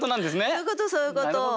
そういうことそういうこと。